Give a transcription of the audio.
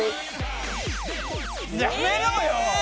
やめろよ！